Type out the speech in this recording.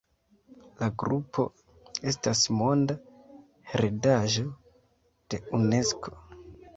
La grupo estas Monda heredaĵo de Unesko.